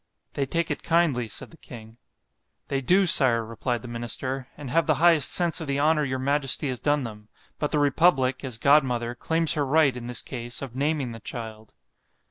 —They take it kindly, said the king.—They do, Sire, replied the minister, and have the highest sense of the honour your majesty has done them——but the republick, as godmother, claims her right, in this case, of naming the child.